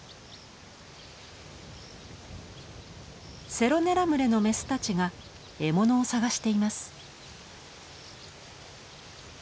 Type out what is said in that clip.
セロネラ群れのメスたちが獲物を探しています。